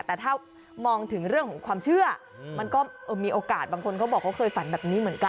แต่ถ้ามองถึงเรื่องของความเชื่อมันก็มีโอกาสบางคนเขาบอกเขาเคยฝันแบบนี้เหมือนกัน